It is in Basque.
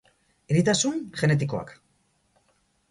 Eritasun genetikoak.